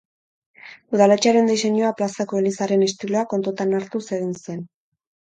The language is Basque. Udaletxearen diseinua plazako elizaren estiloa kontutan hartuz egin zen.